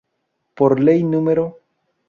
Por ley No.